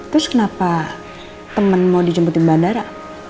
terus kenapa temen mau dijemput di bandara